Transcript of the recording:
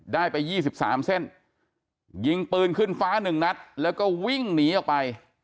ได้ไป๒๓เส้นยิงปืนขึ้นฟ้าหนึ่งนัดแล้วก็วิ่งหนีออกไป